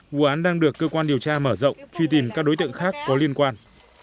vụ án đang được cơ quan điều tra mở rộng truy tìm các đối tượng khác có liên quan